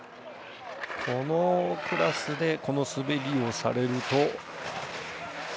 このクラスでこの滑りをされると。